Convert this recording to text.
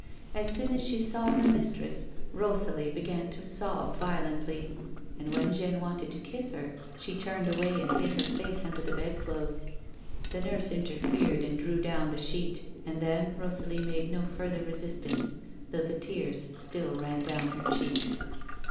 As soon as she saw her mis ti ess Rosalie began to sob violently, and when Jeanne wanted to kiss her, she turned away and hid her face under the bed clothes. The nurse interfered and drew down the sheet, and then Rosalie made no further resistance, though the tears still ran down her cheeks.